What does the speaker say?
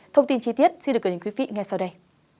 thông tin chi tiết xin được gửi đến quý vị ngay sau đây